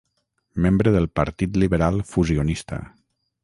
Membre del Partit Liberal Fusionista.